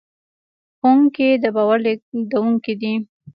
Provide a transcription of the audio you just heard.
ښوونکي د باور لېږدونکي دي.